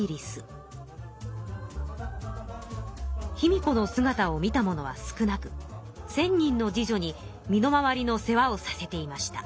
卑弥呼のすがたを見た者は少なく千人の侍女に身の回りの世話をさせていました。